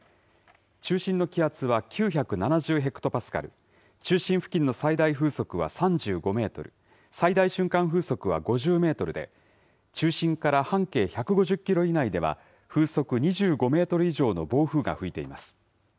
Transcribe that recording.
中心の気圧は９７０ヘクトパスカル、中心付近の最大風速は３５メートル、最大瞬間風速は５０メートルで、中心から半径１５０キロ以内では、風速２５メートル以上の暴風が吹いています。